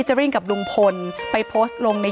ใช่ค่ะตามอินสินแสงส่วนตัว